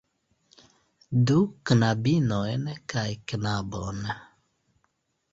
Du knabinojn kaj knabon.